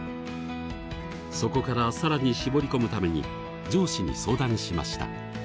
そこから更に絞り込むために上司に相談しました。